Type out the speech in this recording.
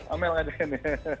amel ada ini